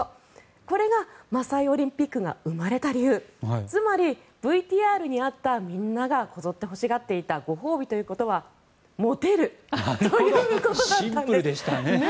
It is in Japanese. これがマサイ・オリンピックが生まれた理由つまり、ＶＴＲにあったみんながこぞって欲しがっていたご褒美ということはモテるということだったんです。